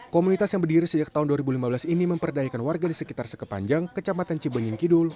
komunitas yang berdiri sejak tahun dua ribu lima belas ini memperdayakan warga di sekitar sekepanjang kecamatan cibenin kidul